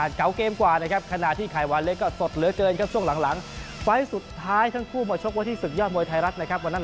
แล้วก็ตีโต้ครับ